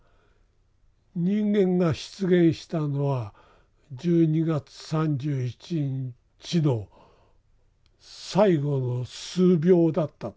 人間が出現したのは１２月３１日の最後の数秒だったと。